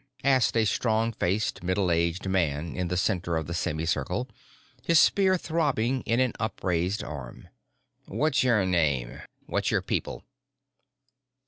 asked a strong faced, middle aged man in the center of the semi circle, his spear throbbing in an upraised arm. "What's your name what's your people?"